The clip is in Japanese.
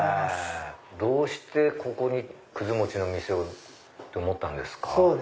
どうしてここにもちの店をと思ったんですか？